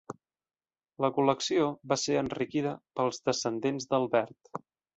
La col·lecció va ser enriquida pels descendents d'Albert.